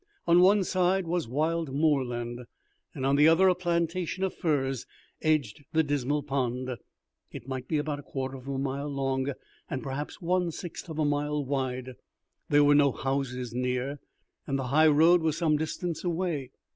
On one side was wild moorland, and on the other a plantation of firs edged the dismal pond. It might be about a quarter of a mile long, and perhaps one sixth of a mile wide. There were no houses near, and the high road was some distance away.